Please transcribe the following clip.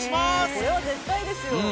これは絶対ですよ！